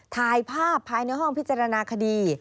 ถ่ายภาพภายในห้องพิจารณาคดี